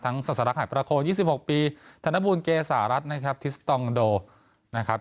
ทั้งศาสนรักษณ์หายประโคร๒๖ปีธนบูรณ์เกสหรัฐนะครับทิสตองโดนะครับ